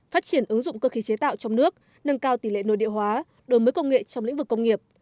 phát triển ứng dụng cơ khí chế tạo trong nước nâng cao tỷ lệ nội địa hóa đổi mới công nghệ trong lĩnh vực công nghiệp